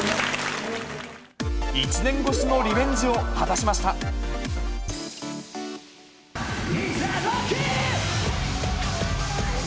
１年越しのリベンジを果たしいくぜ、ロッキン！